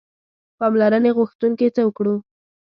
پاملرنې غوښتونکي څه وکړو.